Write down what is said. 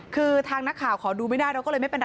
คือทางนักข่าวขอดูไม่ได้เราก็เลยไม่เป็นไร